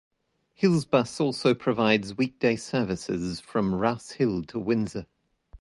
Hillsbus also provides weekday services from Rouse Hill to Windsor.